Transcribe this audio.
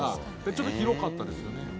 ちょっと広かったですよね。